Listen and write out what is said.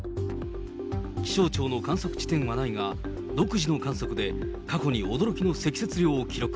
気象庁の観測が、独自の観測で過去に驚きの積雪量を記録。